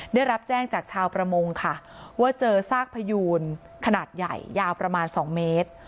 ได้รับแจ้งจากชาวประมงค่ะว่าเจอซากพยูนขนาดใหญ่ยาวประมาณ๒เมตร